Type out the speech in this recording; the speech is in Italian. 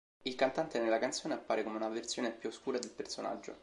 Il cantante nella canzone appare come una versione più oscura del personaggio.